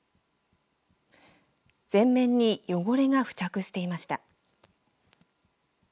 全面に汚れが付着していました。